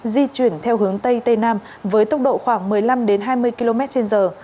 di chuyển theo hướng tây tây nam với tốc độ khoảng một mươi năm hai mươi km trên giờ